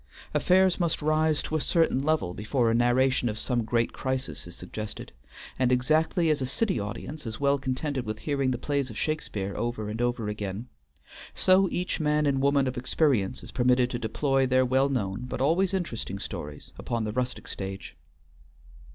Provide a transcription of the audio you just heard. Affairs must rise to a certain level before a narration of some great crisis is suggested, and exactly as a city audience is well contented with hearing the plays of Shakespeare over and over again, so each man and woman of experience is permitted to deploy their well known but always interesting stories upon the rustic stage.